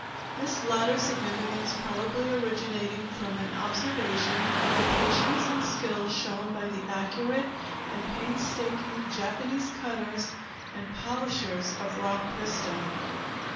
This latter significance probably originating from an observation of the patience and skill shown by the accurate and painstaking Japanese cutters and polishers of rock crystal.